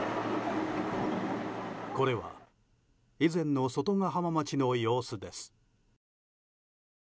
これは以前の外ヶ浜町の様子です。